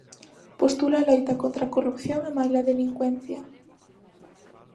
Postula a loita contra a corrupción e maila delincuencia.